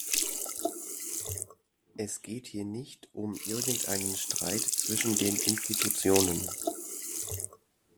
Es geht hier nicht um irgendeinen Streit zwischen den Institutionen.